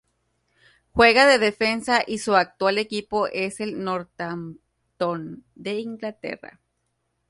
Juega de defensa y su actual equipo es el Northampton de Inglaterra.